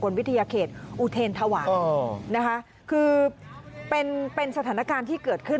วิทยาเขตอุเทรนธวารนะคะคือเป็นเป็นสถานการณ์ที่เกิดขึ้น